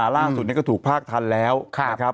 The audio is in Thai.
ล่าสุดนี้ก็ถูกภาคทันแล้วนะครับ